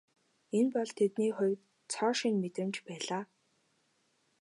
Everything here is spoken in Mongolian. Энэ бол тэдний хувьд цоо шинэ мэдрэмж байлаа.